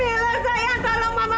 jangan pernah ngeremehin kekuatan lu